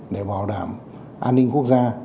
để bảo đảm an ninh quốc gia